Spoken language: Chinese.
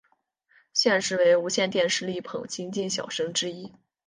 现时为无线电视力捧新晋小生之一。